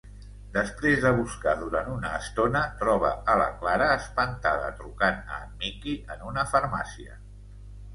Després de buscar durant una estona, troba a la Clara espantada trucant a en Mickey en una farmàcia.